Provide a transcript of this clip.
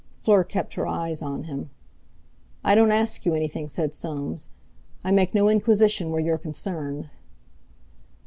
Fleur kept her eyes on him. "I don't ask you anything," said Soames; "I make no inquisition where you're concerned."